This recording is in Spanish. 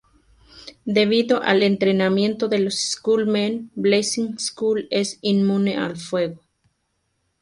Debido al entrenamiento de los Skull Men, Blazing Skull es inmune al fuego.